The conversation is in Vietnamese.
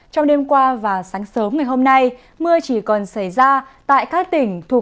trong đêm qua và sáng sớm ngày hôm nay mưa chỉ còn xảy ra tại các tỉnh thuộc